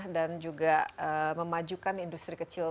dan juga memajukan industri kecil